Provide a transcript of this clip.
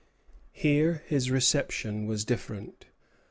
Here his reception was different.